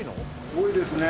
多いですね。